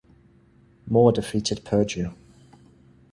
Moore defeated Perdue.